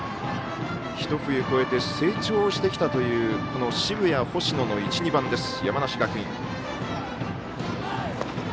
一冬越えて成長してきたという澁谷、星野の１、２番です山梨学院。